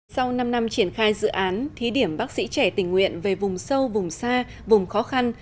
sau năm năm triển khai dự án thí điểm bác sĩ trẻ tình nguyện về vùng sâu vùng xa vùng khó khăn